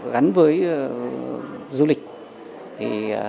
gắn với du lịch